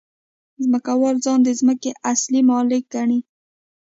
ځمکوال ځان د ځمکې اصلي مالک ګڼي